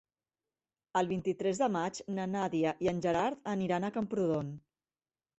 El vint-i-tres de maig na Nàdia i en Gerard aniran a Camprodon.